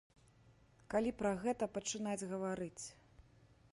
Калі пра гэта пачынаць гаварыць.